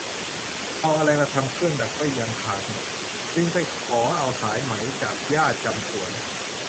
เอาอะไรมาทำเครื่องดักก็ยังขาดหมด จึงไปขอเอาสายไหม จากย่าจำสวน